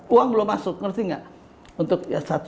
uang belum masuk ngerti gak